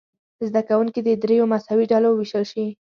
زده کوونکي دې دریو مساوي ډلو وویشل شي.